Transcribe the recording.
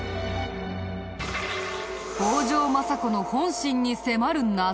北条政子の本心に迫る謎。